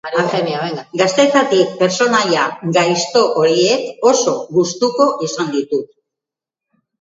Gaztetatik pertsonaia gaizto horiek oso gustuko izan ditut.